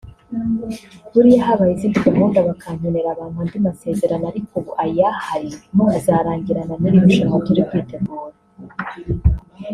Buriya habaye izindi gahunda bakankenera bampa andi masezerano ariko ubu ayahari azarangirana n’iri rushanwa turi kwitegura”